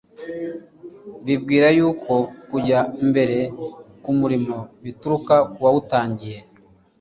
bibwira yuko kujya mbere k'umurimo bituruka k'uwawutangiye.